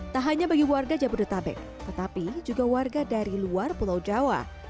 tak hanya bagi warga jabodetabek tetapi juga warga dari luar pulau jawa